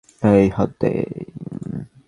এই হাত দে।